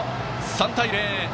３対０。